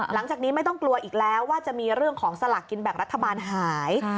หลังจากนี้ไม่ต้องกลัวอีกแล้วว่าจะมีเรื่องของสลากกินแบ่งรัฐบาลหาย